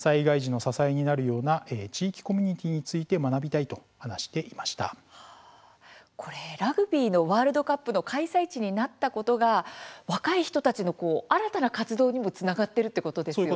災害時の支えになるような地域コミュニティーについてラグビーのワールドカップの開催地になったことが若い人たちの新たな活動にもつながっているということですね。